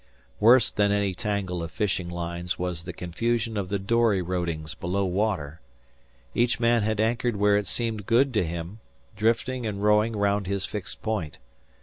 Worse than any tangle of fishing lines was the confusion of the dory rodings below water. Each man had anchored where it seemed good to him, drifting and rowing round his fixed point.